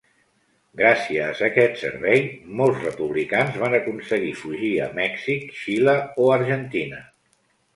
Gràcies a aquest servei, molts republicans van aconseguir fugir a Mèxic, Xile o Argentina.